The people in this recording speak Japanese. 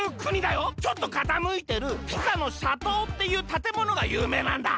ちょっとかたむいてるピサの斜塔っていうたてものがゆうめいなんだ。